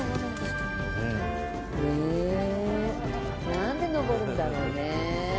なんで登るんだろうね？